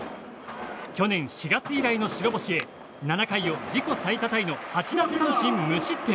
去年４月以来の白星へ、７回を自己最多タイ８奪三振の無失点。